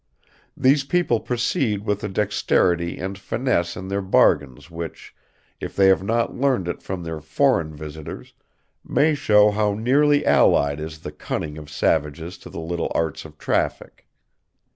These people proceed with a dexterity and finesse in their bargains which, if they have not learned it from their foreign visitors, may show how nearly allied is the cunning of savages to the little arts of traffic.